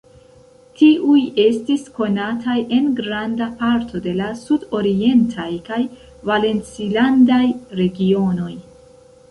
Tiuj estis konataj en granda parto de la sudorientaj kaj valencilandaj regionoj.